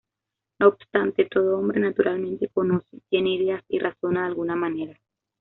No obstante, todo hombre naturalmente conoce, tiene ideas y razona de alguna manera.